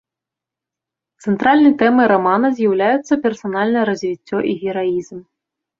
Цэнтральнай тэмай рамана з'яўляюцца персанальнае развіццё і гераізм.